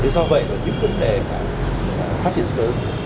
do vậy những vấn đề phát hiện sớm